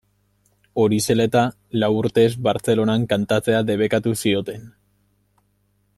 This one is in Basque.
Hori zela eta, lau urtez Bartzelonan kantatzea debekatu zioten.